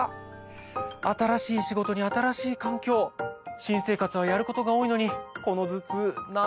新しい仕事に新しい環境新生活はやることが多いのに。